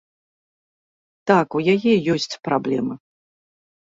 Так, у яе ёсць праблемы.